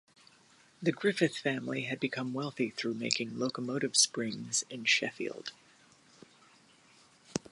The Griffith family had become wealthy through making locomotive springs in Sheffield.